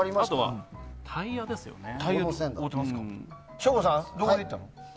省吾さん、どこまでいったの？